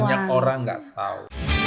ini yang banyak orang nggak tahu